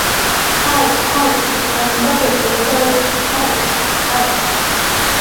Ҳаи, ҳаи, иҭанҵәароуп ргәаҩа, ҳаи, ҳаи!